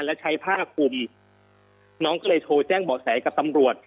แล้วใช้ผ้าคุมน้องก็เลยโทรแจ้งเบาะแสกับตำรวจ